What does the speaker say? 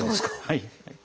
はい。